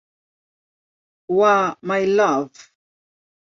wa "My Love".